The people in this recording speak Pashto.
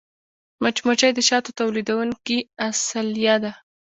مچمچۍ د شاتو تولیدوونکې اصلیه ده